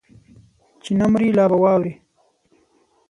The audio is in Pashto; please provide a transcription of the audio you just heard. چې نه مرې لا به واورې